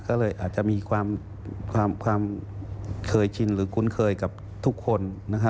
ก็เลยอาจจะมีความเคยชินหรือคุ้นเคยกับทุกคน